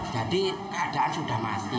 jadi keadaan sudah mati